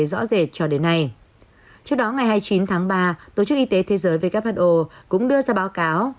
trước đó ngày hai mươi chín tháng ba tổ chức y tế thế giới who cũng đưa ra báo cáo